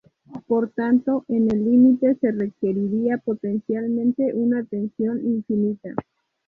Por tanto en el límite se requeriría potencialmente una tensión infinita.